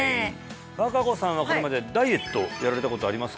和歌子さんはこれまでダイエットやられたことありますか？